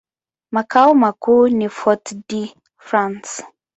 Makao makuu ni Fort-de-France.